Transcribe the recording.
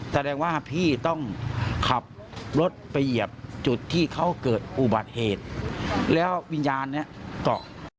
แสดงว่าพี่ต้องขับรถไปเหยียบจุดที่เขาเกิดอุบัติเหตุแล้ววิญญาณเนี่ยเกาะ